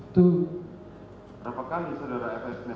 berapa kali sodara fs